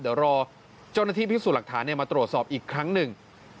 เดี๋ยวรอเจ้าหน้าที่พิสูจน์หลักฐานมาตรวจสอบอีกครั้งหนึ่ง